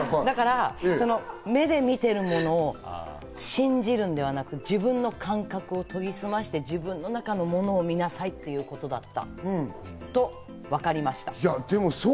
目で見てるものを信じるのではなく自分の感覚を研ぎ澄ませて自分の中のものを見なさいっていうことだった。